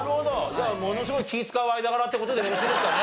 じゃあものすごい気使う間柄って事でよろしいですかね？